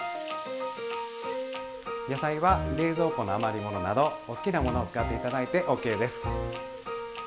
野菜は冷蔵庫の余り物などお好きなものを使って頂いてＯＫです。